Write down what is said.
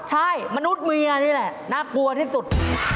ใช่มนุษย์เมียนี่แหละน่ากลัวที่สุด